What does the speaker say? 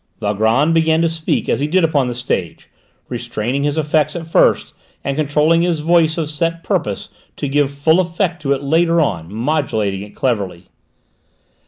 Valgrand began to speak as he did upon the stage, restraining his effects at first and controlling his voice of set purpose to give full effect to it later on, modulating it cleverly.